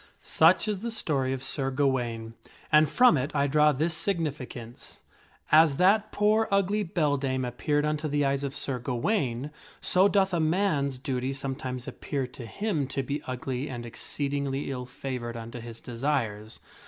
LSuch is the story of Sir Gawaine, and from it I draw this significance: as that poor ugly beldame appeared unto the eyes of Sir Gawaine, so doth a man's duty sometimes appear to him to be ugly and exceedingly ill favored unto his desires.